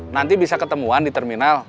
nanti bisa ketemuan di terminal